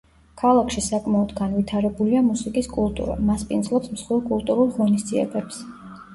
ქალაქში საკმაოდ განვითარებულია მუსიკის კულტურა, მასპინძლობს მსხვილ კულტურულ ღონისძიებებს.